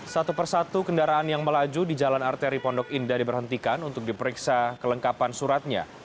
satu persatu kendaraan yang melaju di jalan arteri pondok indah diberhentikan untuk diperiksa kelengkapan suratnya